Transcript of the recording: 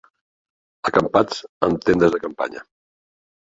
Acampats amb tendes de campanya.